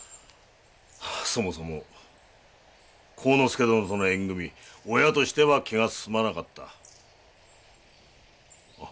そもそも晃之助殿との縁組み親としては気がすすまなかった。